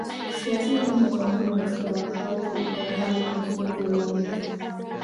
سیاسي زغم د قومونو د اختلافاتو د حل او سولې لامل دی